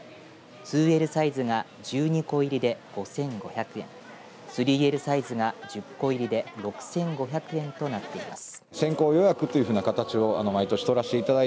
２Ｌサイズが１２個入りで５５００円３Ｌサイズが１０個入りで６５００円となっています。